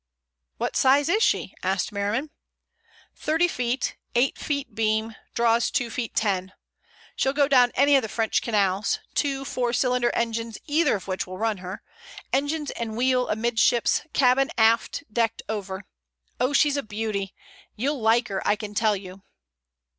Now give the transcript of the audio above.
"What size is she?" asked Merriman. "Thirty feet, eight feet beam, draws two feet ten. She'll go down any of the French canals. Two four cylinder engines, either of which will run her. Engines and wheel amidships, cabin aft, decked over. Oh, she's a beauty. You'll like her, I can tell you."